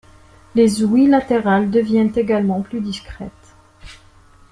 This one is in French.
Les ouïes latérales deviennent également plus discrètes.